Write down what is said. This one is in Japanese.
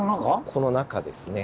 この中ですね。